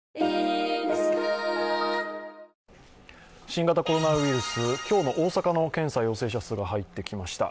新型コロナウイルス、今日の大阪の検査陽性者数が入ってきました。